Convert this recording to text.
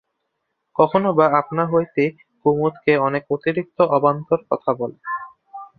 কখনোবা আপনা হইতেই কুমুদকে অনেক অতিরিক্ত অবান্তর কথা বলে।